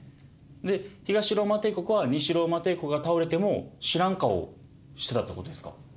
で東ローマ帝国は西ローマ帝国が倒れても知らん顔してたってことですか？